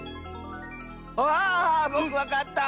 あぼくわかった！